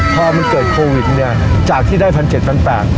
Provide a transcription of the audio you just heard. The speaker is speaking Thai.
พอมันเกิดโควิดเนี่ยจากที่ได้พันเจ็ดพันแปด